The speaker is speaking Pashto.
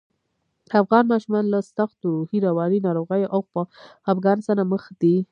افغان ماشومان له سختو روحي، رواني ناروغیو او خپګان سره مخ دي